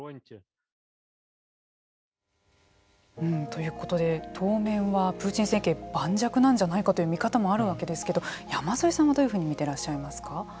ということで、当面はプーチン政権盤石なんじゃないかという見方もあるわけですけど山添さんはどういうふうに見ていらっしゃいますか。